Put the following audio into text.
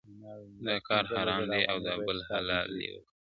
دا کار حرام دی او، دا بل حلال دي وکړ